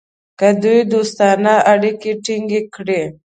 که دوی دوستانه اړیکې ټینګ کړي.